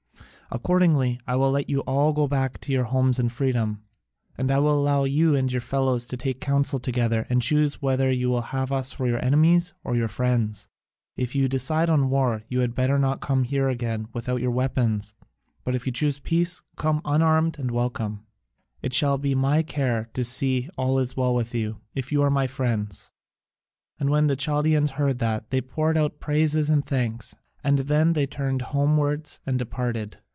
Accordingly I will let you all go back to your homes in freedom, and I will allow you and your fellows to take counsel together and choose whether you will have us for your enemies or your friends. If you decide on war, you had better not come here again without your weapons, but if you choose peace, come unarmed and welcome: it shall be my care to see that all is well with you, if you are my friends." And when the Chaldaeans heard that, they poured out praises and thanks, and then they turned homewards and departed.